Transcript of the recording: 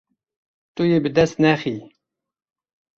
Tu yê bi dest nexî.